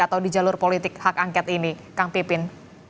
atau di jalur politik hak angket ini kang pipin